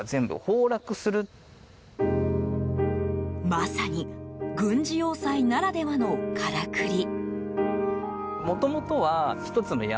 まさに、軍事要塞ならではのからくり。